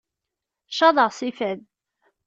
Caḍeɣ si fad.